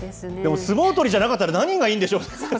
でも、相撲取りじゃなかったら、何がいいんでしょうね。